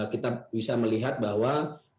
kita bisa melihat bahwa